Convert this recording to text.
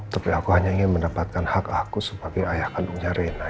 tapi aku hanya ingin mendapatkan hak aku sebagai ayah kandungnya rena